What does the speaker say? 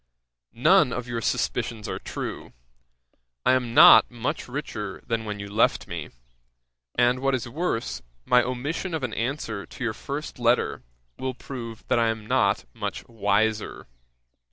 None of your suspicions are true; I am not much richer than when you left me; and, what is worse, my omission of an answer to your first letter, will prove that I am not much wiser.